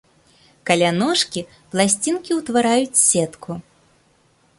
Каля ножкі пласцінкі ўтвараюць сетку.